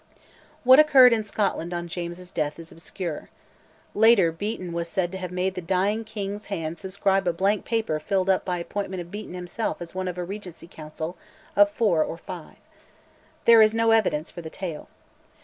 What occurred in Scotland on James's death is obscure. Later, Beaton was said to have made the dying king's hand subscribe a blank paper filled up by appointment of Beaton himself as one of a Regency Council of four or five. There is no evidence for the tale.